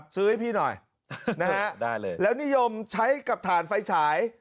ซื้อให้พี่หน่อยนะฮะแล้วนิยมใช้กับถ่านไฟฉาย